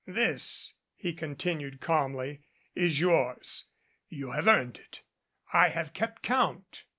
"This," he continued calmly, "is yours. You have earned it. I have kept count.